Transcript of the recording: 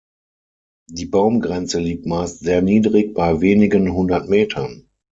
Die Baumgrenze liegt meist sehr niedrig bei wenigen hundert Metern.